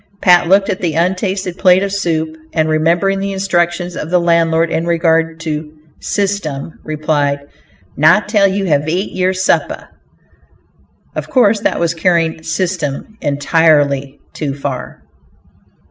Pat looked at the untasted plate of soup, and remembering the instructions of the landlord in regard to "system," replied: "Not till ye have ate yer supe!" Of course that was carrying "system" entirely too far.